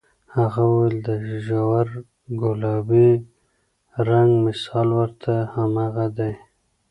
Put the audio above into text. هغه وویل، د ژور ګلابي رنګ مثال ورته هماغه دی.